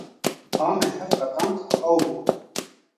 A me ji hev qetand ew bû.